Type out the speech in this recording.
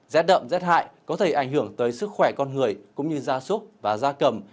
rét đậm rét hại có thể ảnh hưởng tới sức khỏe con người cũng như da súc và da cầm